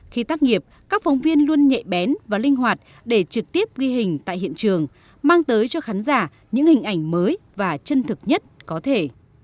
khi tác nghiệp các phóng viên luôn nhạy bén và linh hoạt để trực tiếp ghi hình tại hiện trường mang tới cho khán giả những hình ảnh mới và chân thực nhất có thể